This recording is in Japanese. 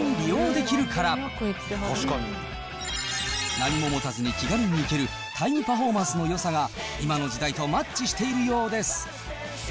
何も持たずに気軽に行けるタイムパフォーマンスの良さが今の時代とマッチしているようです。